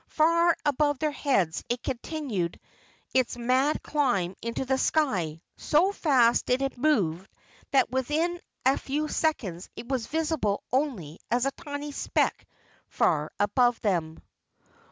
Far above their heads it continued its mad climb into the sky. So fast did it move that within a few seconds it was visible only as a tiny speck far above them.